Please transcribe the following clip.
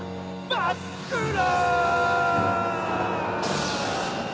まっくろ！